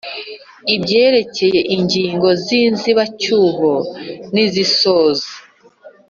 Ibyerekeye ingingo z inzibacyuho n izisoza